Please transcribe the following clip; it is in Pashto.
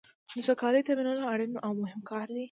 د سوکالۍ تامینول اړین او مهم کار دی.